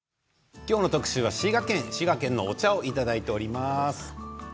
今日の特集は滋賀、滋賀県のお茶をいただいております。